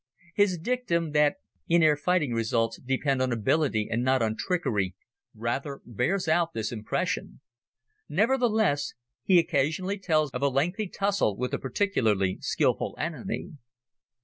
His dictum that "in air fighting results depend on ability and not on trickery," rather bears out this impression. Nevertheless he occasionally tells of a lengthy tussle with a particularly skilful enemy.